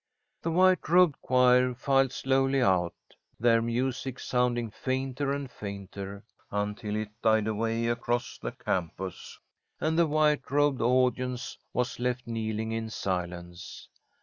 The white robed choir filed slowly out, their music sounding fainter and fainter until it died away across the campus, and the white robed audience was left kneeling in silence.